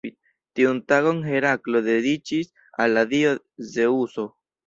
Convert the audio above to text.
Tiun tagon Heraklo dediĉis al la dio Zeŭso.